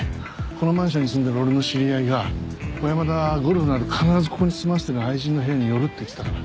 このマンションに住んでる俺の知り合いが小山田はゴルフのあと必ずここに住まわせてる愛人の部屋に寄るって言ってたから。